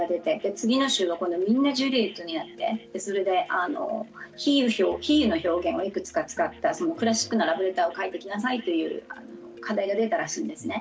次の週は今度はみんなジュリエットになってそれで比喩の表現をいくつか使ったクラシックなラブレターを書いてきなさいという課題が出たらしいんですね。